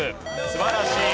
素晴らしい。